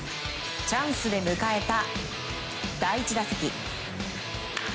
チャンスで迎えた第１打席。